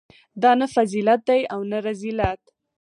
دا نه فضیلت دی او نه رذیلت.